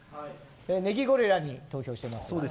ネギゴリラに投票してますが。